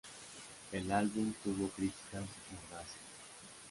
El álbum tuvo críticas mordaces.